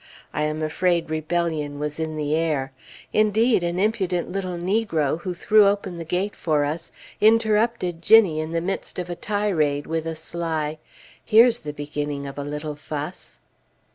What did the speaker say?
I am afraid rebellion was in the air. Indeed, an impudent little negro, who threw open the gate for us, interrupted Ginnie in the midst of a tirade with a sly "Here's the beginning of a little fuss!"